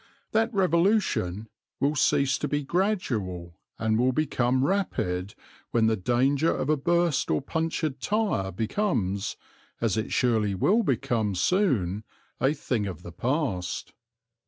That revolution will cease to be gradual and will become rapid when the danger of a burst or punctured tire becomes, as it surely will become soon, a thing of the past.